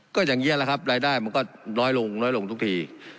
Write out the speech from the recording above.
ก็อย่างนี้แหละครับรายได้มันก็น้อยลงน้อยลงทุกที